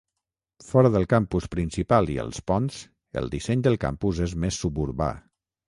Fora del campus principal i els ponts, el disseny del campus és més suburbà.